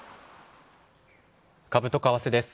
株と為替です。